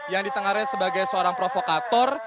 yang ditengah raih sebagai seorang provokator